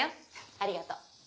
ありがとう。